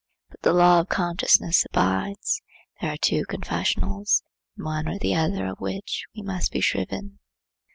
But the law of consciousness abides. There are two confessionals, in one or the other of which we must be shriven.